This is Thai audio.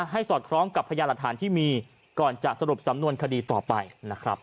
สอดคล้องกับพยานหลักฐานที่มีก่อนจะสรุปสำนวนคดีต่อไปนะครับ